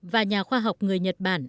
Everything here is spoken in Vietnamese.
và nhà khoa học người nhật bản